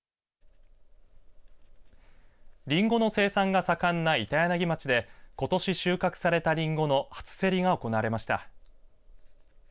リンゴの生産が盛んな板柳町でことし収穫されたリンゴの初競りが行われました。